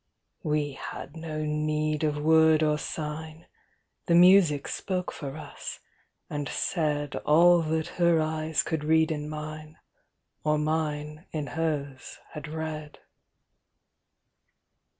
We had no need of word or sign, The music spoke for us, and said All that her eyes could read in mine Or mine in hers had read.